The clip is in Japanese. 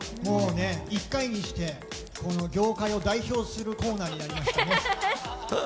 １回にして業界を代表するコーナーになりましたね。